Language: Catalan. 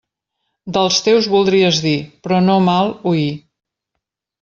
Dels teus voldries dir, però no mal oir.